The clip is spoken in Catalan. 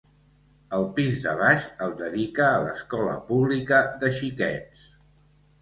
El pis de baix el dedica a l'escola pública de xiquets.